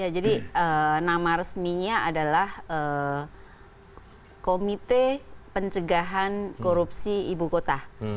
jadi nama resminya adalah komite pencegahan korupsi ibu kota